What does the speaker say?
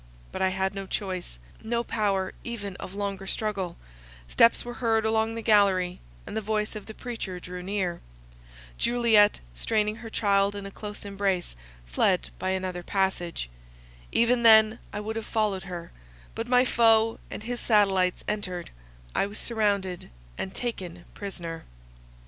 But I had no choice, no power even of longer struggle; steps were heard along the gallery, and the voice of the preacher drew near. Juliet, straining her child in a close embrace, fled by another passage. Even then I would have followed her; but my foe and his satellites entered; I was surrounded, and taken prisoner.